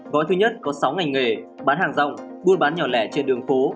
gói thứ nhất có sáu ngành nghề bán hàng rong buôn bán nhỏ lẻ trên đường phố